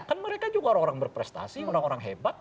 kan mereka juga orang orang berprestasi orang orang hebat